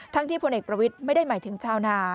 ที่พลเอกประวิทย์ไม่ได้หมายถึงชาวนา